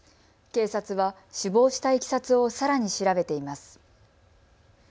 警察は死亡したいきさつをさらに調べています。